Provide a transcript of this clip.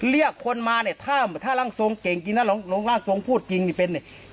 เรียกคนมาเนี่ยถ้าร่างทรงเก่งจริงนะร่างทรงพูดจริงนี่เป็นเนี่ย